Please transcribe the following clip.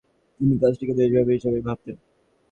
তিনি কাজটিকে দেশসেবা হিসাবেই ভাবতেন।